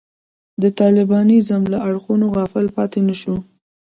د طالبانیزم له اړخونو غافل پاتې نه شو.